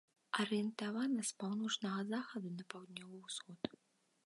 Арыентавана з паўночнага захаду на паўднёвы ўсход.